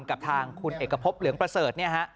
กับทางคุณเอกพบเหลืองประเสริฐ